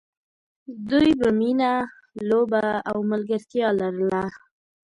دوی به مینه، لوبه او ملګرتیا لرله.